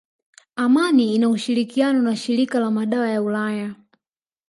Amani ina ushirikiano na shirika la madawa la ulaya